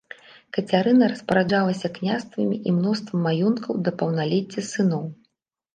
Кацярына распараджалася княствамі і мноствам маёнткаў да паўналецця сыноў.